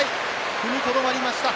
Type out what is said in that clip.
踏みとどまりました。